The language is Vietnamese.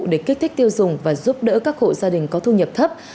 để kích thích tiêu dùng và giúp đỡ các hộ gia đình có thu nhập thấp